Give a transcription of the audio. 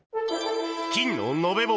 金の延べ棒